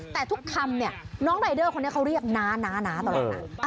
แต่ทุกคำเนี่ยน้องรายเดอร์คนนี้เขาเรียกน้าตลอด